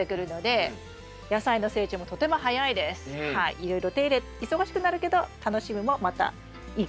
いろいろ手入れ忙しくなるけど楽しみもまたいいかなっていう。